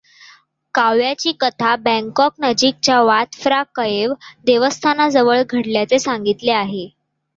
काव्याची कथा बँकॉकनजीकच्या वात फ्रा कयेव देवस्थानाजवळ घडल्याचे सांगितले आहे.